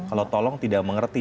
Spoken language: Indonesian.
kalau tolong tidak mengerti